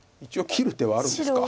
切る手はあるんですね。